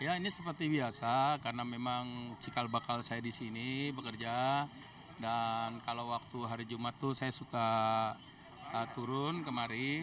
ya ini seperti biasa karena memang cikal bakal saya di sini bekerja dan kalau waktu hari jumat tuh saya suka turun kemari